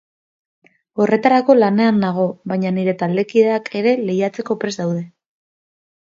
Horretarako lanean nago, baina nire taldekideak ere lehiatzeko prest daude.